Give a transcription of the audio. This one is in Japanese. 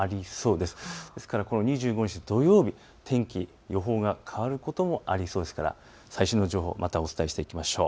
ですからこの２５日土曜日、天気、予報が変わることもありそうですから最新の情報をまたお伝えしていきましょう。